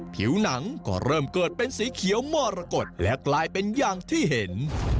ผิวหนังก็เริ่มเกิดเป็นสีเขียวมรกฏและกลายเป็นอย่างที่เห็น